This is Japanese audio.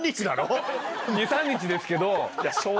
２３日ですけど。